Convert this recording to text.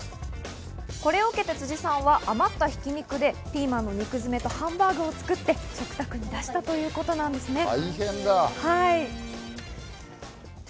これを受けて辻さんは余ったひき肉でピーマンの肉詰めとハンバーグを作って食卓に出したということです。